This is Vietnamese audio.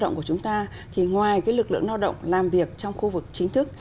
trong thị trường lao động của chúng ta ngoài lực lượng lao động làm việc trong khu vực chính thức